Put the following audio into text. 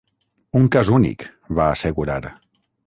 Un cas únic, va assegurar.